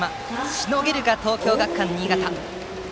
しのげるか東京学館新潟。